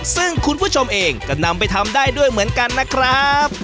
ซึ่งคุณผู้ชมเองก็นำไปทำได้ด้วยเหมือนกันนะครับ